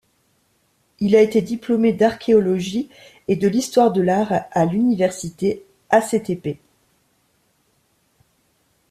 Il a été diplômé d'archéologie et de l'histoire de l'art à l'Université Hacettepe.